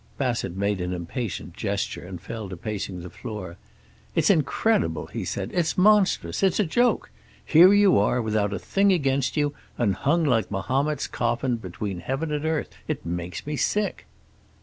Bassett made an impatient gesture, and fell to pacing the floor. "It's incredible," he said. "It's monstrous. It's a joke. Here you are, without a thing against you, and hung like Mahomet's coffin between heaven and earth. It makes me sick."